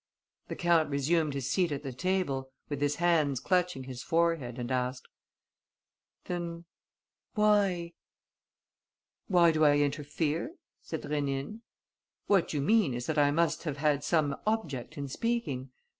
The count resumed his seat at the table, with his hands clutching his forehead, and asked: "Then why ...?" "Why do I interfere?" said Rénine. "What you mean is that I must have had some object in speaking.